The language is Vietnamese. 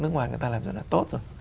nước ngoài người ta làm rất là tốt rồi